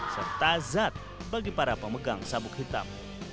serta zat bagi para pemegang sabuk hitam